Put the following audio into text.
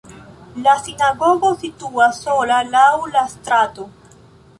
La sinagogo situas sola laŭ la strato.